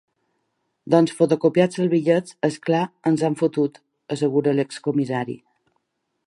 Doncs fotocopiats els bitllets, és clar, ens han fotut, assegura l’ex-comissari.